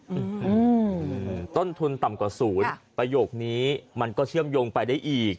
อืมต้นทุนต่ำกว่าศูนย์ประโยคนี้มันก็เชื่อมโยงไปได้อีก